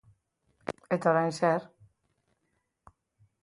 Eta orain zer?